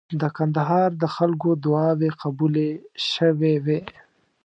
د کندهار د خلکو دعاوي قبولې شوې وې.